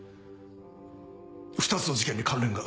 ２つの事件に関連が？